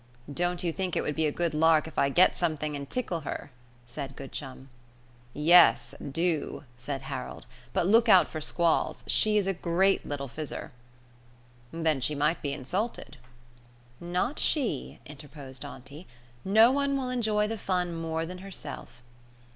"Don't you think it would be a good lark if I get something and tickle her?" said Goodchum. "Yes, do," said Harold; "but look out for squalls. She is a great little fizzer." "Then she might be insulted." "Not she," interposed auntie. "No one will enjoy the fun more than herself."